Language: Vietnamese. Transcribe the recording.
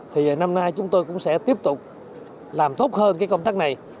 thì năm nay chúng tôi cũng sẽ tiếp tục làm tốt hơn cái công tác này